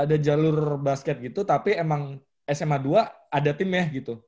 ada jalur basket gitu tapi emang sma dua ada timnya gitu